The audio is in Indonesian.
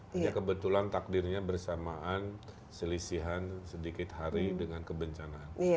hanya kebetulan takdirnya bersamaan selisihan sedikit hari dengan kebencanaan